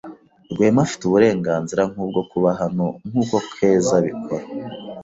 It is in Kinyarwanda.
Rwema afite uburenganzira nkubwo kuba hano nkuko Keza abikora.